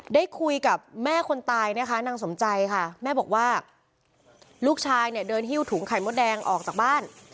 ได้คุยกับแม่คนตายนะคะนางสมใจค่ะแม่บอกว่าลูกชายเนี่ยเดินหิ้วถุงไข่มดแดงออกจากบ้าน